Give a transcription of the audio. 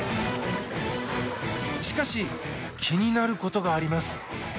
しかし気になることがあります。